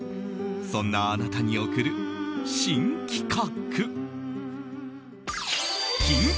そんなあなたに送る新企画。